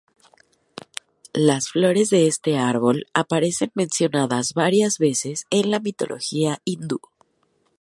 Las flores de este árbol aparecen mencionadas varias veces en la mitología hindú.